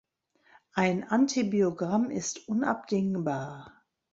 Ein Antibiogramm ist unabdingbar.